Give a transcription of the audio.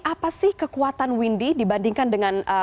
apa sih kekuatan windy dibandingkan dengan